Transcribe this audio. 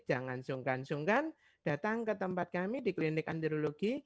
jangan sungkan sungkan datang ke tempat kami di klinik and birologi